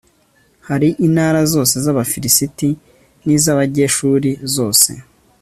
hari intara zose z'abafilisiti n'iz'abageshuri zose